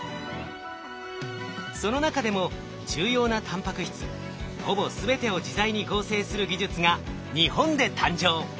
その中でも重要なタンパク質ほぼ全てを自在に合成する技術が日本で誕生。